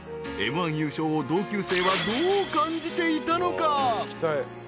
［Ｍ−１優勝を同級生はどう感じていたのか？］